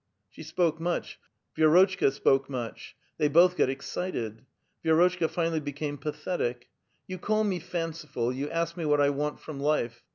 "^ She spoke much ; Vi^rotchka spoke much ; they both got e3?cited. Vi^rotchka finally became pathetic, r " You call me fanciful, you ask me what I want from life.